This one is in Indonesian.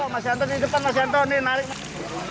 mas yanto mas yanto di depan mas yanto nih nalik